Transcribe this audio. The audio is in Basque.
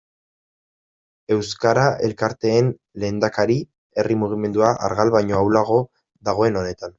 Euskara elkarteen lehendakari, herri mugimendua argal baino ahulago dagoen honetan.